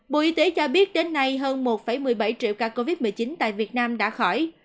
bộ y tế cho biết đến nay hơn một một mươi bảy triệu ca covid một mươi chín tại việt nam đã khỏi